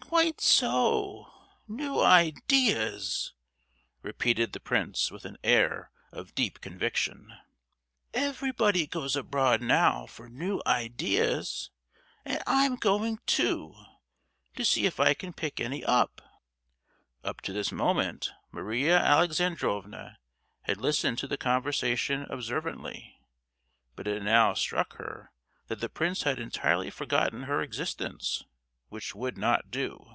Quite so—new ideas!" repeated the prince with an air of deep conviction, "everybody goes abroad now for new ideas, and I'm going too, to see if I can pick any up." Up to this moment Maria Alexandrovna had listened to the conversation observantly; but it now struck her that the prince had entirely forgotten her existence—which would not do!